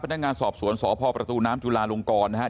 พนักงานสอบสวนสพประตูน้ำจุลาลงกรนะครับ